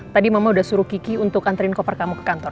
tadi mama udah suruh kiki untuk antriin koper kamu ke kantor